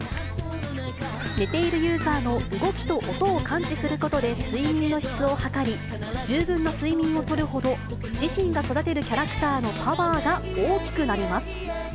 寝ているユーザーの動きと音を感知することで睡眠の質をはかり、十分な睡眠を取るほど自身が育てるキャラクターのパワーが大きくなります。